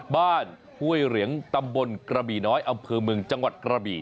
ห้วยเหรียงตำบลกระบี่น้อยอำเภอเมืองจังหวัดกระบี่